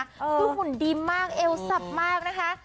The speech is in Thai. คือหุ่นดีมากเอวสับมากนะคะ